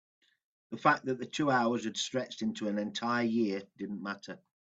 the fact that the two hours had stretched into an entire year didn't matter.